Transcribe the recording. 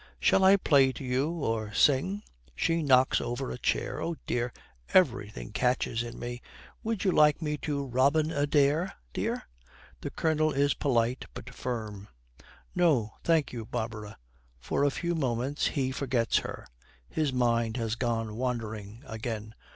Shall I play to you, or sing?' She knocks over a chair, 'Oh dear, everything catches in me. Would you like me to "Robin Adair," dear?' The Colonel is polite, but firm, 'No, thank you, Barbara.' For a few moments he forgets her; his mind has gone wandering again.